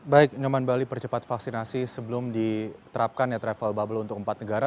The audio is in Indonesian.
baik nyoman bali percepat vaksinasi sebelum diterapkan ya travel bubble untuk empat negara